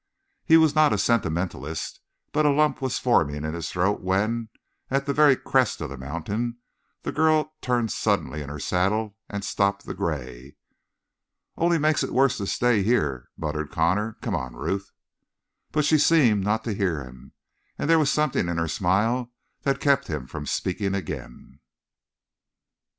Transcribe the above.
He was not a sentimentalist, but a lump was forming in his throat when, at the very crest of the mountain, the girl turned suddenly in her saddle and stopped the gray. "Only makes it worse to stay here," muttered Connor. "Come on, Ruth." But she seemed not to hear him, and there was something in her smile that kept him from speaking again.